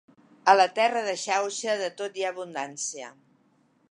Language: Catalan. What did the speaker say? A la terra de Xauxa, de tot hi ha abundància.